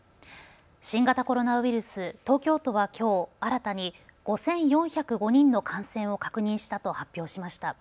新型コロナウイルス、東京都はきょう新たに５４０５人の感染を確認したと発表しました。